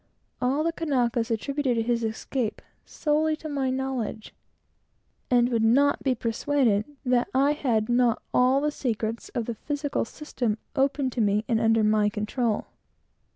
All the Kanakas attributed his escape solely to my knowledge, and would not be persuaded that I had not all the secrets of the physical system open to me and under my control.